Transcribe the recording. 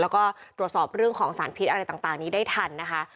แล้วก็ตรวจสอบเรื่องของสารพิษอะไรต่างนี้ได้ทันนะคะ